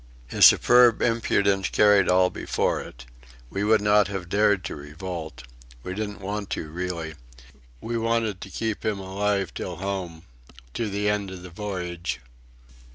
His superb impudence carried all before it. We would not have dared to revolt. We didn't want to, really. We wanted to keep him alive till home to the end of the voyage.